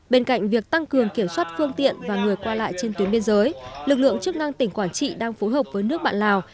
bên cạnh việc tăng cường kiểm soát phương tiện và người qua lại trên tuyến biên giới lực lượng chức năng tỉnh quảng trị đang phối hợp với nước bạn lào